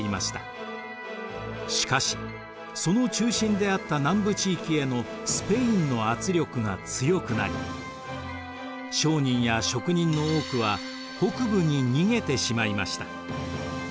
しかしその中心であった南部地域へのスペインの圧力が強くなり商人や職人の多くは北部に逃げてしまいました。